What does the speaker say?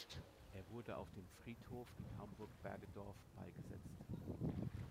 Er wurde auf dem Friedhof in Hamburg-Bergedorf beigesetzt.